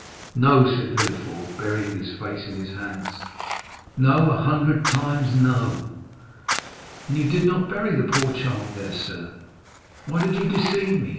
"No," said Villefort, burying his face in his hands, "no, a hundred times no!" "Then you did not bury the poor child there, sir? Why did you deceive me?